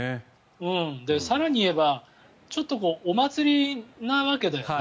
更に言えばちょっとお祭りなわけだよね